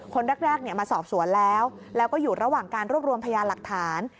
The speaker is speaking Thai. คนแรกมาสอบสวนแล้วแล้วก็อยู่ระหว่างการรวบรวมพยานหลักฐาน